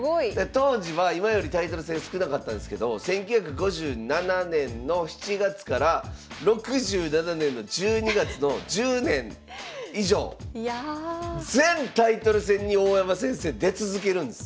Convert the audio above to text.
当時は今よりタイトル戦少なかったですけど１９５７年の７月から６７年の１２月の１０年以上全タイトル戦に大山先生出続けるんです。